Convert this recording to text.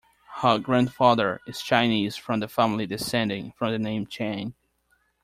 Her grandfather is Chinese from the family descending from the name Chang.